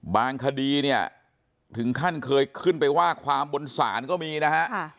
คดีเนี่ยถึงขั้นเคยขึ้นไปว่าความบนศาลก็มีนะฮะ